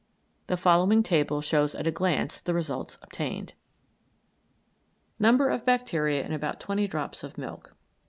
The following table shows at a glance the results obtained: NUMBER OF BACTERIA IN ABOUT TWENTY DROPS OF MILK.